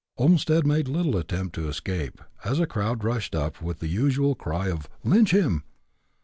Olmstead made little attempt to escape, as a crowd rushed up with the usual cry of "Lynch him!"